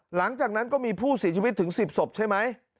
หลังจากนั้นก็มีผู้เสียชีวิตถึง๑๐ศพใช่ไหม